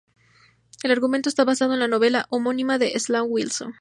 El argumento está basado en la novela homónima de Sloan Wilson.